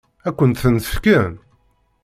Ad kent-ten-fken?